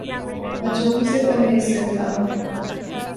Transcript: ہجوم سے پرہیز کرتا ہوں